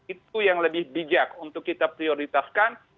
itu yang lebih bijak untuk kita prioritaskan